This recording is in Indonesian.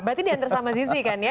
berarti diantar sama zizi kan ya